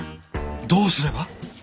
どうすれば？